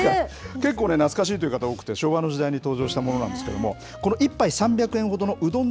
結構ね、懐かしいという方多くて、昭和の時代に登場したものなんですけど、この１杯３００円ほどのうどん